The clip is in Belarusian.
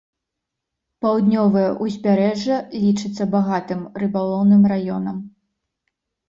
Паўднёвае ўзбярэжжа лічыцца багатым рыбалоўным раёнам.